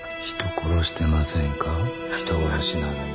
人殺しなのに。